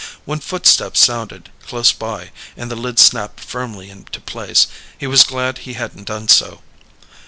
When footsteps sounded, close by, and the lid snapped firmly into place, he was glad he hadn't done so.